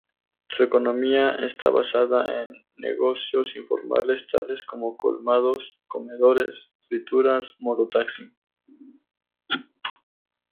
Su economía está basada en negocios informales tales como colmados, comedores, frituras, Moto-Taxi.